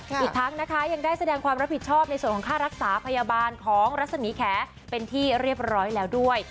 อีกทั้งนะคะยังได้แสดงความรับผิดชอบในส่วนของค่ารักษาพยาบาลของรัศมีแขเป็นที่เรียบร้อยแล้วด้วย